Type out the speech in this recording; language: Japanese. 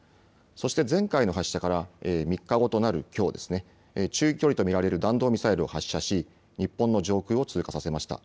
そして前回の発射から３日後となるきょう、中距離と見られる弾道ミサイルを発射し日本の上空を通過させました。